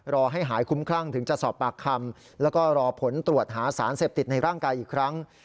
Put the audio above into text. ให้หายคุ้มคลั่งถึงจะสอบปากคำแล้วก็รอผลตรวจหาสารเสพติดในร่างกายอีกครั้ง